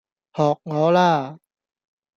學我啦